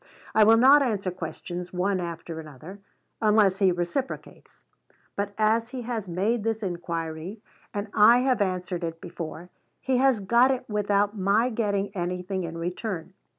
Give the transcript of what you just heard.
I will not answer questions one after another, unless he reciprocates; but as he has made this inquiry, and I have answered it before, he has got it without my getting anything in return.